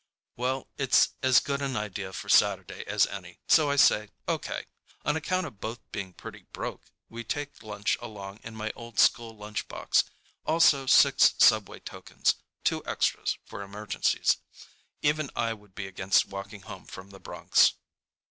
Well, it's as good an idea for Saturday as any, so I say O.K. On account of both being pretty broke, we take lunch along in my old school lunchbox. Also six subway tokens—two extras for emergencies. Even I would be against walking home from the Bronx.